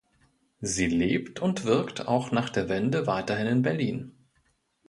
Sie lebt und wirkt auch nach der Wende weiterhin in Berlin.